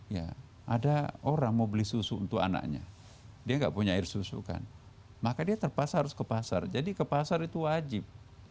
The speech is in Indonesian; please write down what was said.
ya ada orang mau beli susu untuk anaknya dia nggak punya air susu kan maka dia terpaksa harus ke pasar jadi ke pasar itu wajib